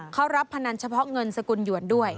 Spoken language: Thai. เขารับพนันเฉพาะเงินสกุลหยวนด้วย